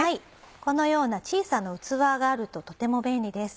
このような小さな器があるととても便利です。